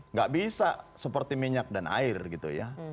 nggak bisa seperti minyak dan air gitu ya